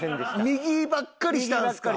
右ばっかりしたんですか。